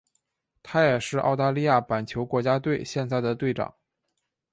他也是澳大利亚板球国家队现在的队长。